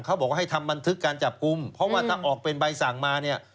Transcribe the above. เขาบอกให้ทำบันทึกการจับกลุ่มเพราะว่าถ้าออกเป็นใบสั่งมาเนี่ย